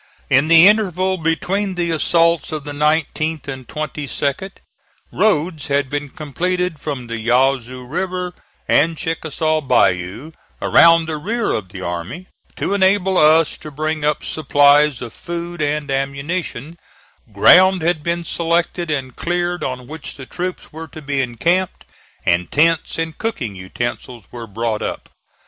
In the interval between the assaults of the 19th and 22d, roads had been completed from the Yazoo River and Chickasaw Bayou, around the rear of the army, to enable us to bring up supplies of food and ammunition; ground had been selected and cleared on which the troops were to be encamped, and tents and cooking utensils were brought up.